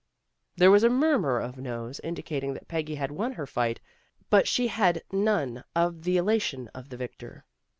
" There was a murmur of 'noes,' indicating that Peggy had won her fight, but she had none of the elation of the victor.